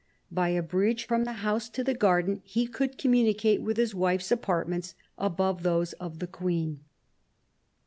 By a bridge from the house to the garden he could com municate with his wife's apartments, above those of the Queen.